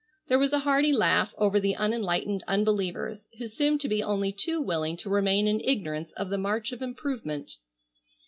'" There was a hearty laugh over the unenlightened unbelievers who seemed to be only too willing to remain in ignorance of the march of improvement.